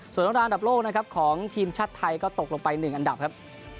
ส่วนเรื่องราวอันดับโลกนะครับของทีมชาติไทยก็ตกลงไป๑อันดับครับ